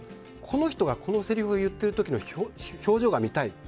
この人の、このせりふを言っているときの表情が見たい。